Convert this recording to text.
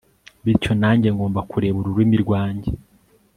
bityo nanjye ngomba kureba ururimi rwanjye